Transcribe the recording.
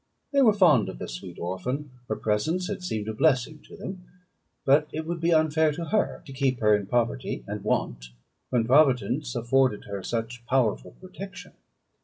They were fond of the sweet orphan. Her presence had seemed a blessing to them; but it would be unfair to her to keep her in poverty and want, when Providence afforded her such powerful protection.